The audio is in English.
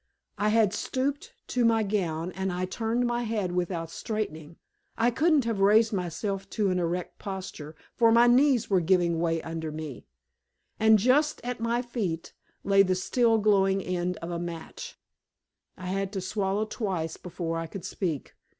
I had stooped to my gown, and I turned my head without straightening I couldn't have raised myself to an erect posture, for my knees were giving way under me and just at my feet lay the still glowing end of a match! I had to swallow twice before I could speak.